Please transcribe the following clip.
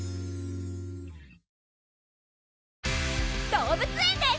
動物園です！